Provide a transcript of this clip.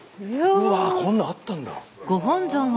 うわこんなんあったんだ。